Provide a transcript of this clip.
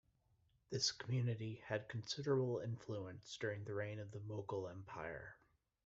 This community had considerable influence during the reign of the Mughal Empire.